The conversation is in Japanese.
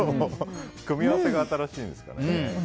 組み合わせが新しいんですかね。